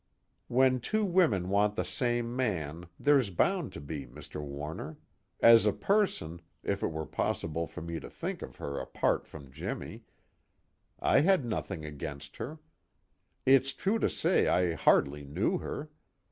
"When two women want the same man, there's bound to be, Mr. Warner. As a person if it were possible for me to think of her apart from Jimmy I had nothing against her. It's true to say I hardly knew her.